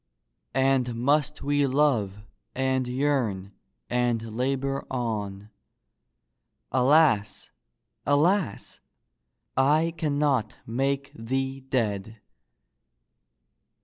And must we love and yearn and labor on ? Alas ! alas ! I cannot make thee dead